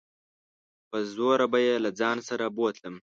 په زوره به يې له ځان سره بوتلم.